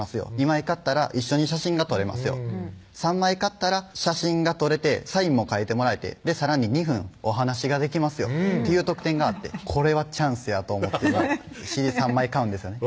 ２枚買ったら一緒に写真が撮れますよ３枚買ったら写真が撮れてサインも書いてもらえてさらに２分お話ができますよっていう特典があってこれはチャンスやと思ってＣＤ３枚買うんですよね